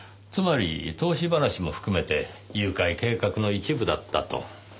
つまり投資話も含めて誘拐計画の一部だったと。